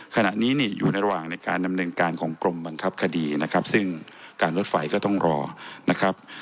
ขณะนี้เนี่ยอยู่ในระหว่างในการดำเนินการของกรมบังคับคดีนะครับซึ่งการรถไฟก็ต้องรอนะครับ